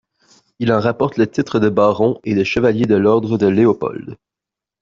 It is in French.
Il en rapporte le titre de baron et de chevalier de l'Ordre de Léopold.